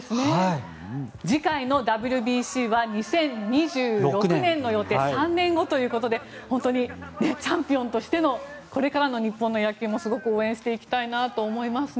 次回のＷＢＣは２０２６年の予定３年後ということでチャンピオンとしてのこれからの日本の野球もすごく応援していきたいなと思いますね。